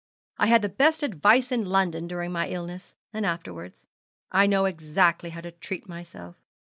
'I had the best advice in London during my illness, and afterwards. I know exactly how to treat myself.